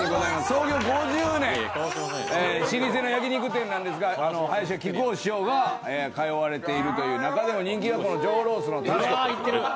創業５０年の老舗の焼き肉店なんですが、林家木久扇師匠が通われている中でも人気が上ロース。